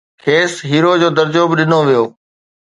کيس هيرو جو درجو به ڏنو ويو